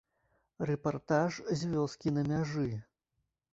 Рэпартаж з вёскі на мяжы.